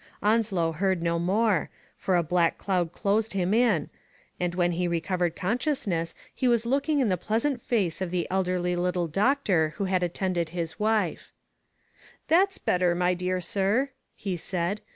Onslow heard no more, for a black cloud closed him in, and when he recovered consciousness he was looking in the pleasant face of the elderly little doctor who had attended his wife. That's better, my dear sir," he said.